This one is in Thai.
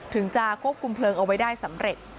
ถึงจะควบคุมเพลิงเอาไว้ได้สำเร็จ